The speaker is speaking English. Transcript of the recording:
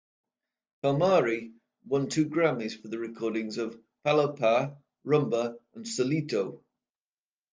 Palmieri won two Grammys for the recordings of "Palo Pa' Rumba" and "Solito".